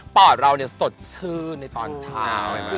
อดเราเนี่ยสดชื่นในตอนเช้า